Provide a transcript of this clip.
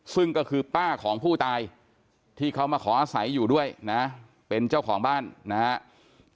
ซึ่งก็คือป้าของผู้ตายที่เขามาขออาศัยอยู่ด้วยนะเป็นเจ้าของบ้านนะครับ